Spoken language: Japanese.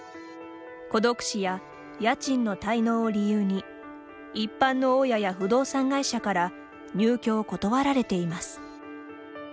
孤独死や家賃の滞納を理由に一般の大家や不動産会社から入居を断られています。